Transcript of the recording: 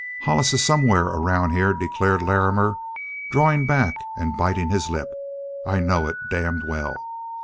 "Hollis is somewhere around," declared Larrimer, drawing back and biting his lip. "I know it, damn well.